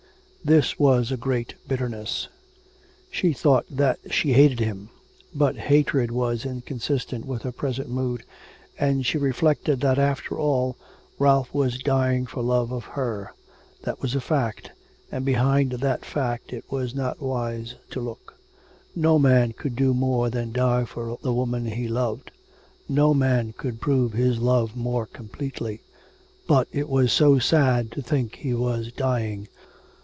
This was a great bitterness. She thought that she hated him. But hatred was inconsistent with her present mood, and she reflected that, after all, Ralph was dying for love of her, that was a fact, and behind that fact it were not wise to look. No man could do more than die for the woman he loved, no man could prove his love more completely. ... But it was so sad to think he was dying.